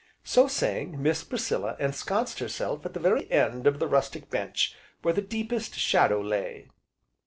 So saying, Miss Priscilla ensconced herself at the very end of the rustic bench, where the deepest shadow lay.